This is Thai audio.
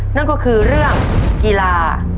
นั่นก็คือเรื่องกีฬา